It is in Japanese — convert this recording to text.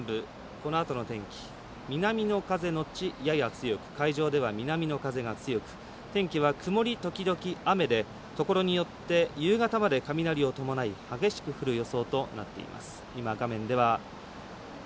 このあとの天気南の風のち、やや強く海上では南の風が強く天気は曇り時々雨でところによって夕方まで雷を伴い激しく降る予想となっています。